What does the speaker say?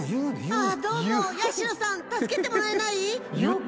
あどうも八代さん助けてもらえない？